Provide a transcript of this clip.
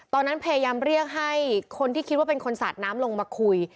ตอนนั้นพยายามเรียกให้คนที่คิดว่าเป็นคนสาดน้ำลงมาคุย